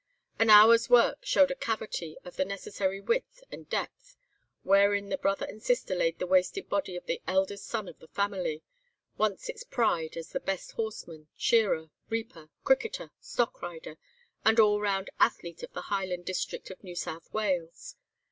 An hour's work showed a cavity of the necessary width and depth, wherein the brother and sister laid the wasted body of the eldest son of the family—once its pride as the best horseman, shearer, reaper, cricketer, stockrider, and all round athlete of the highland district of New South Wales.